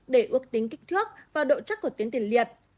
để ước tính kích thước và độ chắc của tuyến tiền liệt